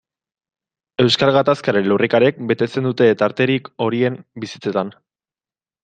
Euskal Gatazkaren lurrikarek betetzen dute tarterik horien bizitzetan.